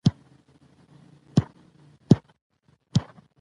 د تسبیح جوړولو او حکاکۍ هنر په لوګر کې شته.